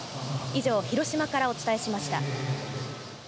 以上、広島からお伝えしました。